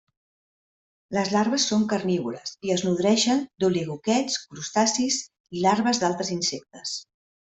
Les larves són carnívores i es nodreixen d'oligoquets, crustacis i larves d'altres insectes.